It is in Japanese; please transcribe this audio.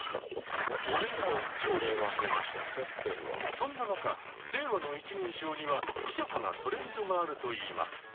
そんな中令和の一人称にはひそかなトレンドがあるといいます。